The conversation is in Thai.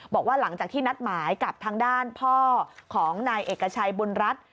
บอกว่าหลังจากที่นัดหมายกับทางด้านพ่อของนายเอกชัยบุญรัฐ